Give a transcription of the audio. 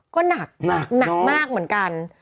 ก็หนักหนักมากเหมือนกัน